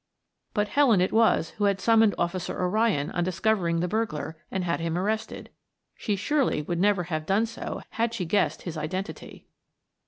But Helen it was who had summoned Officer O'Ryan on discovering the burglar and had him arrested. She surely would never have done so had she guessed his identity.